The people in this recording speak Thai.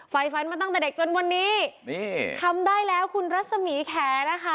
ไฟฟันมาตั้งแต่เด็กจนวันนี้นี่ทำได้แล้วคุณรัศมีแขนะคะ